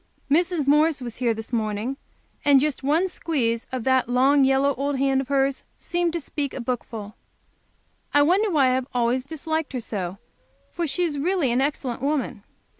Mrs. Morris was here this morning, and just one squeeze of that long, yellow old hand of hers seemed to speak a bookful! I wonder why I have always disliked her so, for she is really an excellent woman.